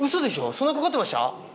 そんなかかってました？